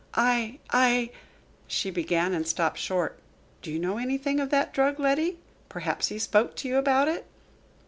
"I I " she began, and stopped short. "Do you know anything of that drug, Letty? Perhaps he spoke to you about it?"